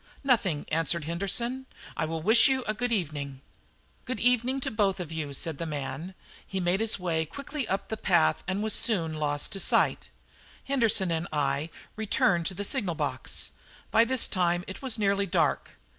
"Nothing," answered Henderson; "I will wish you good evening." "Good evening to you both," said the man. He made his way quickly up the path and was soon lost to sight. Henderson and I then returned to the signal box. By this time it was nearly dark.